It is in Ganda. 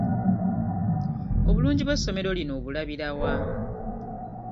Obulungi bw'essomero lino obulabira wa?